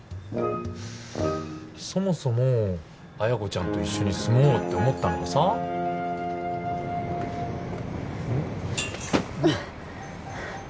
そもそも彩子ちゃんと一緒に住もうって思ったのはさうっ